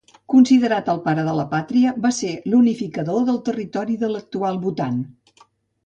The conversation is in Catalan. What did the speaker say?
Considerat el pare de la pàtria va ser l'unificador del territori de l'actual Bhutan.